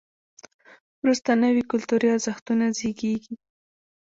وروسته نوي کلتوري ارزښتونه زیږېږي.